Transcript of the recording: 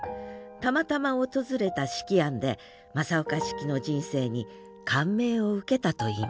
たまたま訪れた子規庵で正岡子規の人生に感銘を受けたといいます